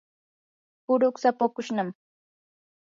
puruksa puqushnam.